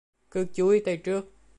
Cứ chúi tới trước